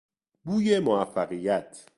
بوی موفقیت